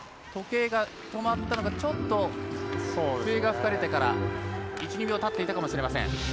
時計が止まったのがちょっと笛が吹かれてから１２秒たっていたかもしれません。